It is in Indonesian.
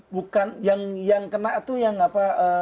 bukan yang kena itu yang apa